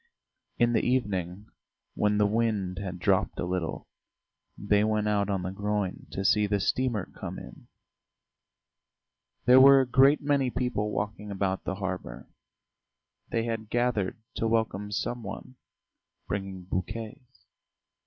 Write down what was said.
In the evening when the wind had dropped a little, they went out on the groyne to see the steamer come in. There were a great many people walking about the harbour; they had gathered to welcome some one, bringing bouquets.